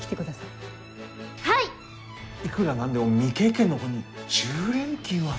いくら何でも未経験の子に１０連勤は。